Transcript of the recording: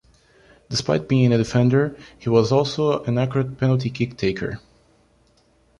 Despite being a defender, he was also an accurate penalty kick taker.